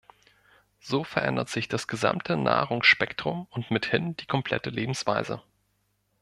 So verändert sich das gesamte Nahrungsspektrum und mithin die komplette Lebensweise.